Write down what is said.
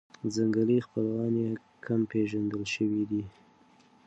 ځنګلي خپلوان یې کم پېژندل شوي دي.